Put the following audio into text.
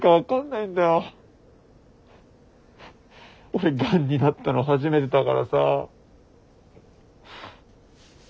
俺がんになったの初めてだからさ。